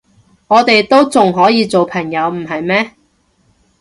我哋都仲可以做朋友，唔係咩？